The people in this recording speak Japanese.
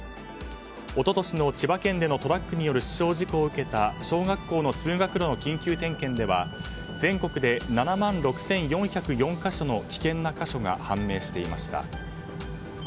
一昨年の千葉県でのトラックの死傷事故を受けた小学校の通学路の緊急点検では全国で７万６４０４か所の危険な箇所が判明していました。